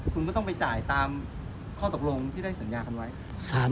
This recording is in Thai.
คุณก็ต้องไปจ่ายตามข้อตกลงที่ได้สัญญากันไว้